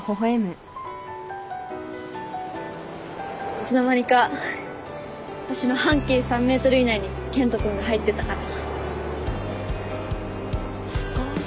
いつの間にか私の半径３ｍ以内に健人君が入ってたから。